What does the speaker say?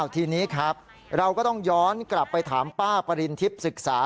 ทีนี้ครับเราก็ต้องย้อนกลับไปถามป้าปริณทิพย์ศึกษา